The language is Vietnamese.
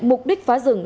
mục đích phá rừng